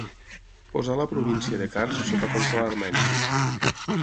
Posà la província de Kars sota control armeni.